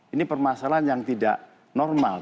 ini permasalahan yang tidak normal